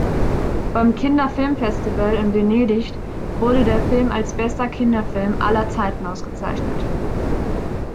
Beim Kinderfilmfestival in Venedig wurde der Film als bester Kinderfilm aller Zeiten ausgezeichnet.